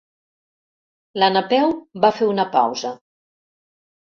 La Napeu va fer una pausa.